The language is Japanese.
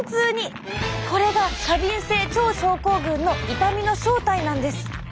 これが過敏性腸症候群の痛みの正体なんです！